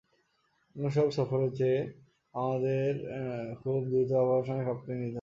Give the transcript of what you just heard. অন্যসব সফরের চেয়ে আমাদের খুব দ্রুত আবহাওয়ার সঙ্গে খাপ খাইয়ে নিতে হবে।